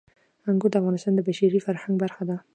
انګور د افغانستان د بشري فرهنګ برخه ده.